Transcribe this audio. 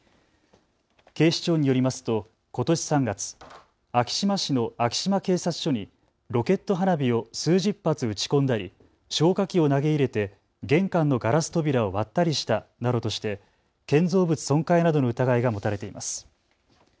警視庁によりますとことし３月、昭島市の昭島警察署にロケット花火を数十発打ち込んだり消火器を投げ入れて玄関のガラス扉を割ったりしたなどとして建造物損壊などの疑いが持たれています。